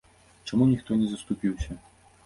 Чаму ніхто не заступіўся?